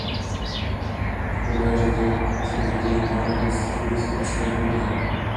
V prvé řadě se tedy jedná o jeden z titulů historického Buddhy.